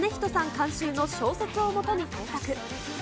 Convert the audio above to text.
監修の小説を基に制作。